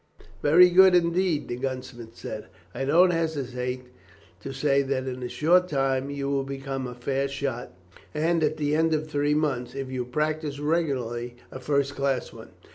"Very good, indeed," the gunsmith said. "I don't hesitate to say that in a very short time you will become a fair shot, and at the end of three months, if you practise regularly, a first class one.